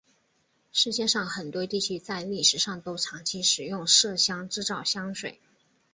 世界上很多地区在历史上都长期使用麝香制造香水。